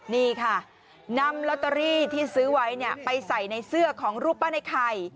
นี่ค่ะนำลอตเตอรี่ที่ซื้อไว้ไปใส่ในเสื้อของรูปปั้นไอ้ไข่